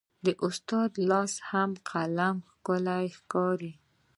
د استاد لاس کې قلم ښکلی ښکاري.